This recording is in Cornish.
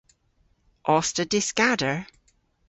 Os ta dyskader?